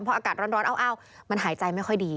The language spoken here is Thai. พออากาศร้อนอ้าวมันหายใจไม่ค่อยดี